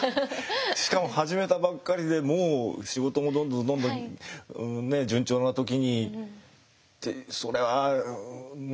しかも始めたばっかりでもう仕事もどんどんどんどんね順調な時にってそれはね。